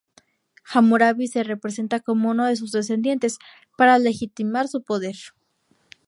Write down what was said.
Hammurabi se presenta como uno de sus descendientes, para legitimar su poder.